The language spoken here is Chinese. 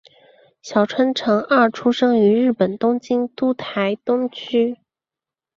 小川诚二出生于日本东京都台东区。